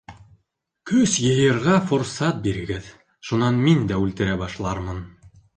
— Көс йыйырға форсат бирегеҙ, шунан мин дә үлтерә башлармын.